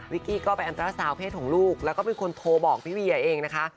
กี้ก็ไปอันตราสาวเพศของลูกแล้วก็เป็นคนโทรบอกพี่เวียเองนะคะ